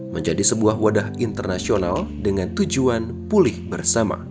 menjadi sebuah wadah internasional dengan tujuan pulih bersama